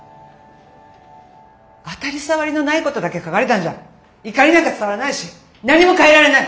当たり障りのないことだけ書かれたんじゃ怒りなんか伝わらないし何も変えられない！